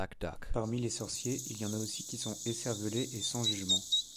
Parmi les sorciers il y en a aussi qui sont écervelés et sans jugement.